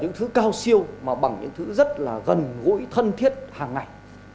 những thứ cao siêu mà bằng những thứ rất là gần gũi thân thiết hàng ngày